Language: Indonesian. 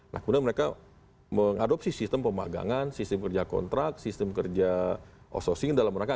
nah kemudian mereka mengadopsi sistem pemagangan sistem kerja kontrak sistem kerja outsourcing dalam rangka